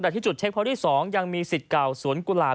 ที่สองยังมีสิทธิ์เก่าสวนกุหลาบ